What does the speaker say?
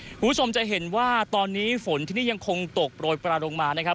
คุณผู้ชมจะเห็นว่าตอนนี้ฝนที่นี่ยังคงตกโปรยปลาลงมานะครับ